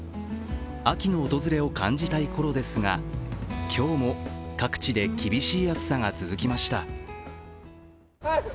秋の訪れを感じたいころですが今日も各地で厳しい暑さが続きました。